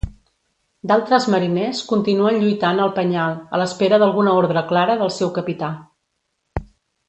D'altres mariners continuen lluitant al penyal, a l'espera d'alguna ordre clara del seu capità.